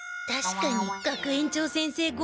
たしかに学園長先生